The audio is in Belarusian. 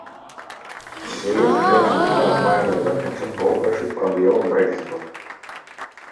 Яе цяперашні склад мае намер канчаткова вырашыць праблему брэкзіту.